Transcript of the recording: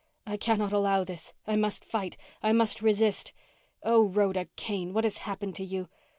_I cannot allow this. I must fight. I must resist. Oh, Rhoda Kane, what has happened to you?